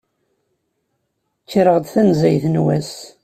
Kkreɣ-d tanzayt n wass.